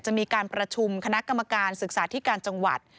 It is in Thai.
จะมีการประชุมคณะกรรมการศึกษาธิการจังหวัด